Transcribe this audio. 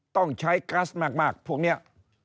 ต้องใช้แก๊สมากพวกเนี่ย